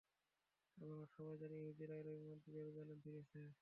আমরা সবাই জানি, ইহুদিরা এরই মধ্যে জেরুজালেমে ফিরেছে।